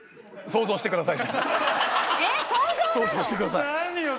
想像してください。